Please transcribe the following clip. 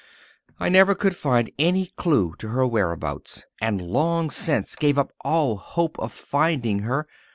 I never could find any clue to her whereabouts, and long since gave up all hope of finding her.